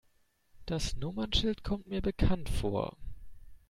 Das Nummernschild kommt mir bekannt vor.